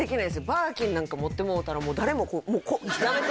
バーキンなんか持ってもうたら誰もこう「やめて！